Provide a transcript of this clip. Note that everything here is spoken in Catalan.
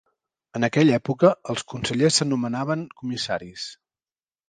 En aquella època els consellers s'anomenaven comissaris.